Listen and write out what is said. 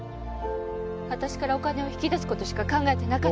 わたしからお金を引き出すことしか考えてなかった。